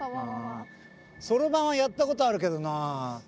そろばんはやったことあるけどな。